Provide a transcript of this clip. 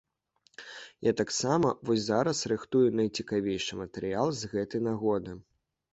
Я таксама вось зараз рыхтую найцікавейшы матэрыял з гэтай нагоды.